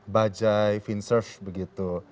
bajaj finsurf begitu